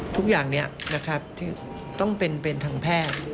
ทุกอย่างนี้นะครับที่ต้องเป็นทางแพทย์